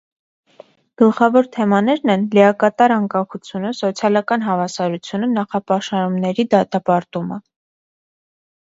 Գլխավոր թեմաներն են՝ լիակատար անկախությունը, սոցիալական հավասարությունը, նախապաշարումների դատապարտումը։